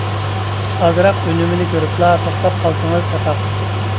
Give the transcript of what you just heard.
ئازراق ئۈنۈمىنى كۆرۈپلا توختاپ قالسىڭىز چاتاق.